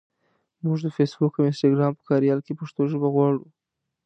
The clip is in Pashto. مونږ د فېسبوک او انسټګرام په کاریال کې پښتو ژبه غواړو.